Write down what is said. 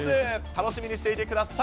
楽しみにしていてください。